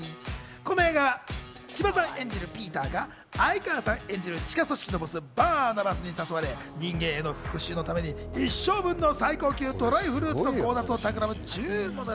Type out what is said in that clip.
この映画は千葉さん演じるピーターが哀川さん演じる地下組織のボス・バーナバスに誘われ、人間への復讐のために一生分の最高級ドライフルーツの強奪を企むっちゅう物語。